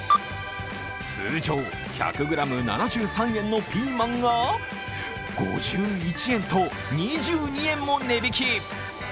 通常１００ｇ７３円のピーマンが、５１円と２２円も値引き。